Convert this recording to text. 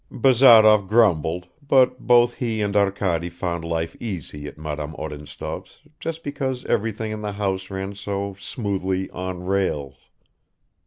Bazarov grumbled, but both he and Arkady found life easy at Madame Odintsov's just because everything in the house ran so smoothly "on rails."